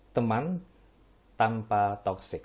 teman tanpa toksik